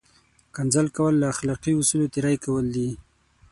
کنځل کول له اخلاقي اصولو تېری کول دي!